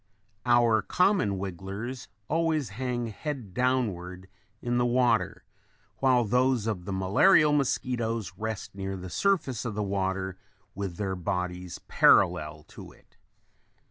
Our common wigglers always hang head downward in the water while those of the malarial mosquitoes rest near the surface of the water with their bodies parallel to it.